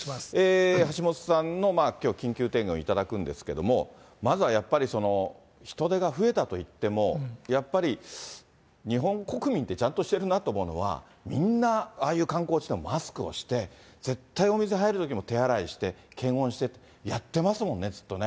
橋下さんの、きょう、緊急提言を頂くんですけれども、まずはやっぱり人出が増えたといっても、やっぱり日本国民ってちゃんとしてるなと思うのは、みんなああいう観光地でもマスクをして、絶対、お店入るときも手洗いして、検温してって、やってますもんね、ずっとね。